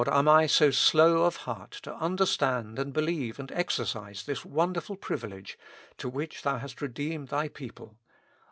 am I so slow of heart to understand and be Heve and exercise this wonderful privilege to which Thou hast redeemed Thy people